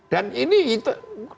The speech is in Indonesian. dan ini itu